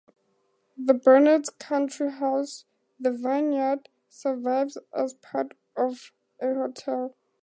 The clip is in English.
The Barnards country house, The Vineyard, survives as part of a hotel.